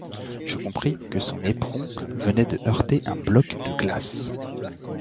Je compris que son éperon venait de heurter un bloc de glace.